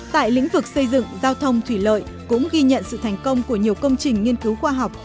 tại lĩnh vực xây dựng giao thông thủy lợi cũng ghi nhận sự thành công của nhiều công trình nghiên cứu khoa học